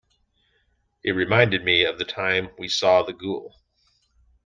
It reminded me of the time we saw the ghoul.